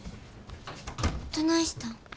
どないしたん？